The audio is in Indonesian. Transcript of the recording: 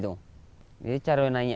jadi cara nanya